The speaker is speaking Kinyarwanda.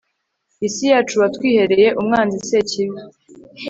isi yacu watwihereye, umwanzi sekibi